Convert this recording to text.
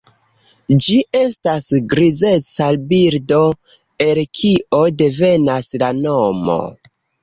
Ĝi estas grizeca birdo, el kio devenas la nomo.